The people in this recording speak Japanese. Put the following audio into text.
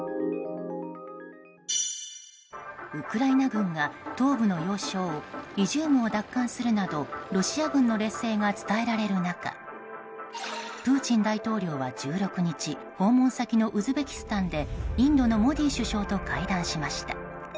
ウクライナ軍が東部の要衝イジュームを奪還するなどロシア軍の劣勢が伝えられる中プーチン大統領は１６日訪問先のウズベキスタンでインドのモディ首相と会談しました。